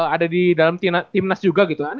ada di dalam timnas juga gitu kan